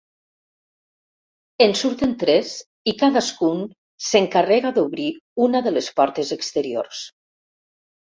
En surten tres i cadascun s'encarrega d'obrir una de les portes exteriors.